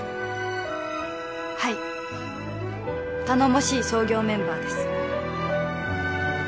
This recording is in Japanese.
はい頼もしい創業メンバーです